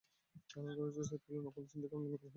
ধারণা করা হচ্ছে, সেটগুলো নকল এবং চীন থেকে আমদানি করা হয়েছে।